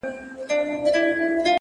چا ویل دا چي، ژوندون آسان دی،